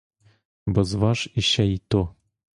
Бо зваж іще й то!